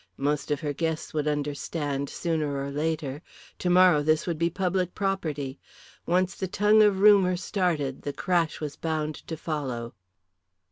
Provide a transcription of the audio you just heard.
Most of her guests would understand sooner or later. Tomorrow this would be public property. Once the tongue of rumour started the crash was bound to follow.